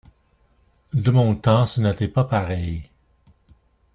De mon temps, ce n’était pas pareil.